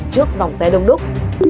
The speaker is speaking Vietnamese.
trước dòng xe đông đúc